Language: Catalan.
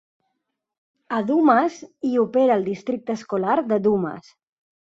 A Dumas hi opera el districte escolar de Dumas.